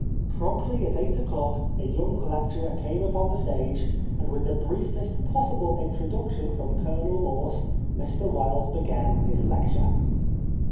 Promptly at eight o'clock the young lecturer came upon the stage, and with the briefest possible introduction from Colonel Morse Mr Wilde began his lecture."